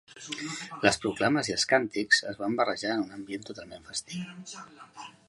Les proclames i els càntics es van barrejar en un ambient totalment festiu.